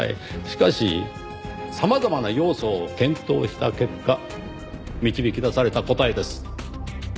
しかし様々な要素を検討した結果導き出された答えです。